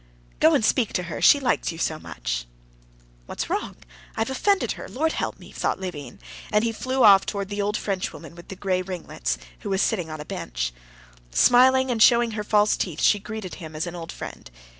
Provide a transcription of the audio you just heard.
"Go and speak to her, she likes you so much." "What's wrong? I have offended her. Lord help me!" thought Levin, and he flew towards the old Frenchwoman with the gray ringlets, who was sitting on a bench. Smiling and showing her false teeth, she greeted him as an old friend.